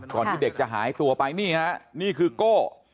ที่เด็กจะหายตัวไปนี่ฮะนี่คือโก้